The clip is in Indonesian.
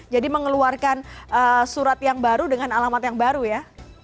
jadi mengeluarkan surat yang baru dengan alamat yang baru ya